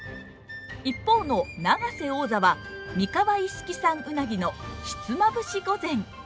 一方の永瀬王座は三河一色産うなぎのひつまぶし御膳。